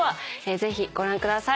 ぜひご覧ください。